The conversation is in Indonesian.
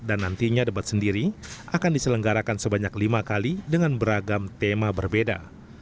dan nantinya debat sendiri akan diselenggarakan sebanyak lima kali dengan beragam tema berbeda